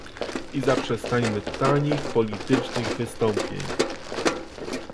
I zaprzestańmy tanich politycznych wystąpień